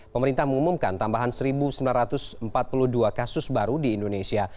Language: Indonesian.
pemerintah mengumumkan tambahan satu sembilan ratus empat puluh dua kasus baru di indonesia